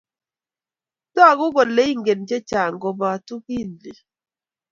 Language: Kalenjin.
Togu kole ingen che chang' kobotu kiit ni